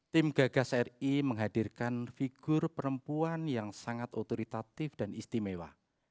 tim gagas ri menghadirkan figur perempuan yang sangat otoritatif dan istimewa